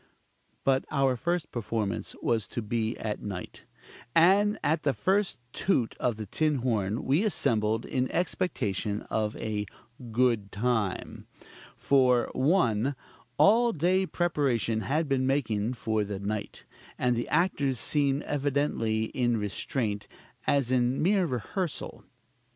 But our first performance was to be at night: and at the first toot of the tin horn we assembled in expectation of a "good time." For, 1. All day preparation had been making for the night; and the actors seemed evidently in restraint, as in mere rehearsal: 2.